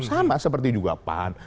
sama seperti juga pan